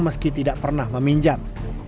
meski tidak pernah meminjam